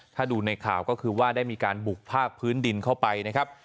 ถ้าดูในข่าวก็คือว่าได้มีการบุกภาคพื้นดินเข้าไปนะครับ